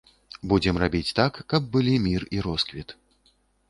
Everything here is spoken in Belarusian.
Будзем рабіць так, каб былі мір і росквіт.